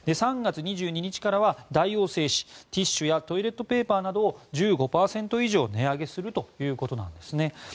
３月２２日からは大王製紙ティッシュやトイレットペーパーなどを１５％以上値上げするということです。